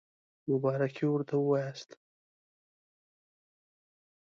مبارکي ورته ووایاست.